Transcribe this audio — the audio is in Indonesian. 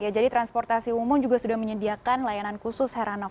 jadi transportasi umum juga sudah menyediakan layanan khusus heranov